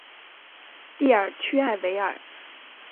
蒂尔屈埃维尔。